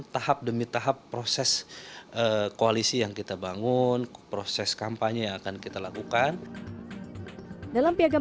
tahap demi tahap proses koalisi yang kita bangun proses kampanye akan kita lakukan dalam piagam